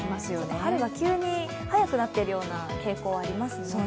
春が急に早くなってるような傾向、ありますよね。